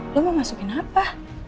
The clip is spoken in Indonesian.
lo mau masukin apa